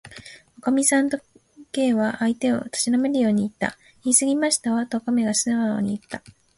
「おかみさん」と、Ｋ は相手をたしなめるようにいった。「いいすぎましたわ」と、おかみはすなおにいった。